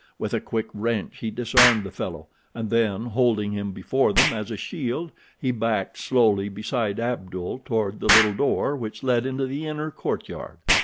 With a quick wrench he disarmed the fellow, and then, holding him before them as a shield, he backed slowly beside Abdul toward the little door which led into the inner courtyard.